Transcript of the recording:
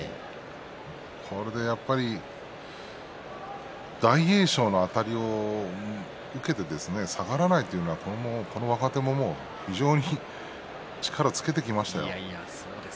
これでやっぱり大栄翔のあたりを受けて下がらないというのはこの若手も非常に力をつけてきましたよ。